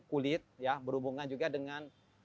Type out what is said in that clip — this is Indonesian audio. kulit ya berhubungan juga dengan